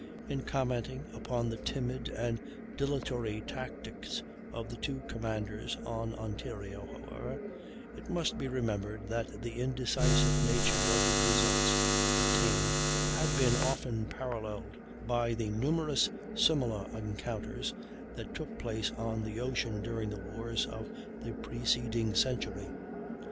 In commenting upon the timid and dilatory tactics of the two commanders on Ontario, however, it must be remembered that the indecisive nature of the results attained had been often paralleled by the numerous similar encounters that took place on the ocean during the wars of the preceding century.